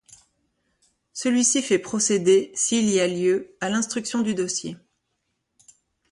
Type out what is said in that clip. Celui-ci fait procéder, s'il y a lieu, à l'instruction du dossier.